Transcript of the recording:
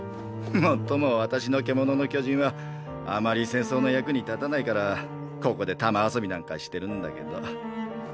もっとも私の「獣の巨人」はあまり戦争の役に立たないからここで球遊びなんかしてるんだけど。